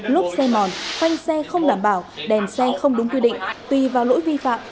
lốp xe mòn khoanh xe không đảm bảo đèn xe không đúng quy định tùy vào lỗi vi phạm